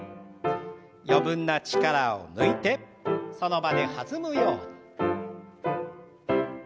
余分な力を抜いてその場で弾むように。